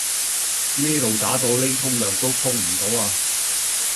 呢度渣到呢沖涼都沖唔到啊